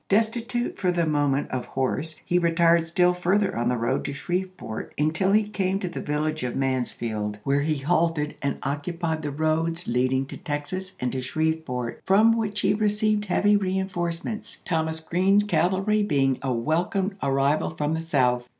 Destitute for the moment of horse, he retired still further on the road to Shreve port, until he came to the village of Mansfield, OLUSTEE AND THE EED KIVEE 293 where he halted and occupied the roads leading to chap.xl Texas and to Shreveport, from which he received heavy reenforcements, Thomas Grreen's cavalry be ing a welcome arrival from the South.